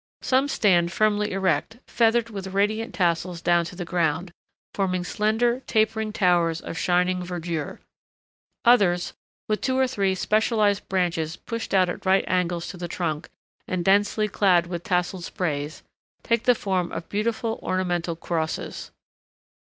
Some stand firmly erect, feathered with radiant tassels down to the ground, forming slender tapering towers of shining verdure; others, with two or three specialized branches pushed out at right angles to the trunk and densely clad with tasseled sprays, take the form of beautiful ornamental crosses.